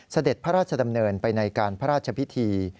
เสด็จพระราชดำเนินไปในการพระราชพิธี